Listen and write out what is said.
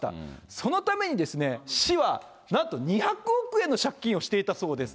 そのために市はなんと２００億円の借金をしていたそうです。